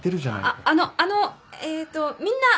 あっあのあのえっとみんなみんな一番。